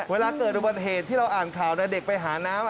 เวลาเกิดอุบัติเหตุที่เราอ่านข่าวนะเด็กไปหาน้ำ